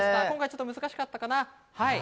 今回ちょっと難しかったな。